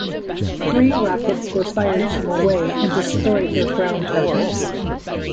Three rockets were fired from away and destroyed their ground targets.